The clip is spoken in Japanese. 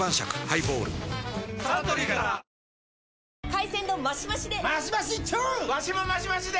海鮮丼マシマシで！